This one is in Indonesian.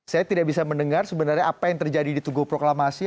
saya tidak bisa mendengar sebenarnya apa yang terjadi di tugu proklamasi